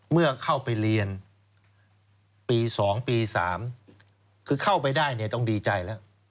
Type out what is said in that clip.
เมื่อเข้าไปเรียนปี๒ปี๓คือเข้าไปได้เนี่ยต้องดีใจแล้ว